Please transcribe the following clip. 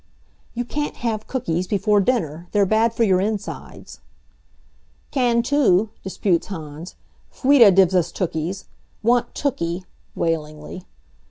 "You can't have cookies before dinner. They're bad for your insides." "Can too," disputes Hans. "Fwieda dives us tookies. Want tooky!" wailingly.